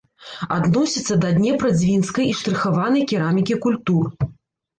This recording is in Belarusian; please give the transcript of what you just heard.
Адносіцца да днепра-дзвінскай і штрыхаванай керамікі культур.